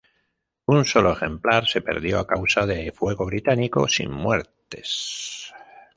Un solo ejemplar se perdió a causa de fuego británico, sin muertes.